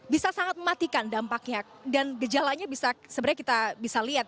bisa sangat mematikan dampaknya dan gejalanya bisa sebenarnya kita bisa lihat